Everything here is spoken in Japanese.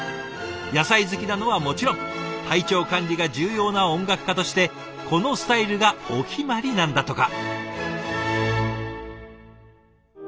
野菜好きなのはもちろん体調管理が重要な音楽家としてこのスタイルがお決まりなんだとか。